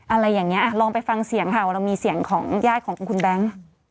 อะไรอย่างนี้ลองไปฟังเสียงค่ะเรามีเสียงของญาติของคุณแบงค์